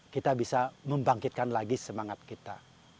kita bisa membangkitkan lagi semangat kita